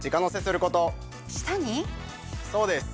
そうです。